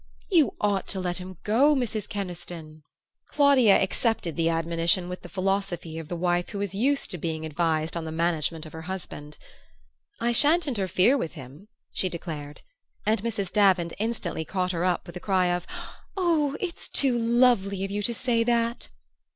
"You ought to let him go, Mrs. Keniston!" Claudia accepted the admonition with the philosophy of the wife who is used to being advised on the management of her husband. "I sha'n't interfere with him," she declared; and Mrs. Davant instantly caught her up with a cry of, "Oh, it's too lovely of you to say that!"